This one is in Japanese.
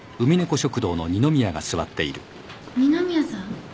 二ノ宮さん？